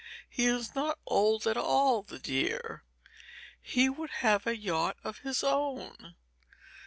He is not old at all, the dear! he would have a yacht of his own.